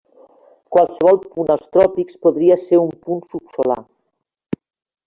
Qualsevol punt als tròpics podria ser un punt subsolar.